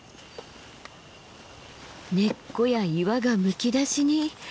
根っこや岩がむき出しに。